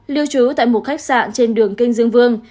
lưu trú tại một khách sạn trên đường kinh dương vương